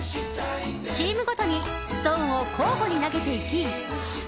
チームごとにストーンを交互に投げていき